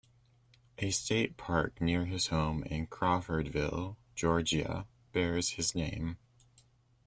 A state park near his home in Crawfordville, Georgia bears his name.